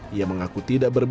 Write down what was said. dia mengaku tidak berbual